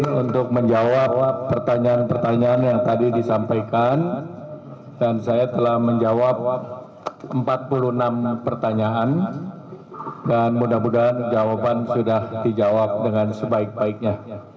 saya untuk menjawab pertanyaan pertanyaan yang tadi disampaikan dan saya telah menjawab empat puluh enam pertanyaan dan mudah mudahan jawaban sudah dijawab dengan sebaik baiknya